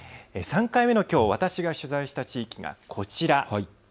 ３回目のきょう、私が取材した地域がこちら。